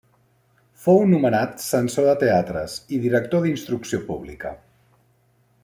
Fou nomenat censor de teatres i director d'instrucció pública.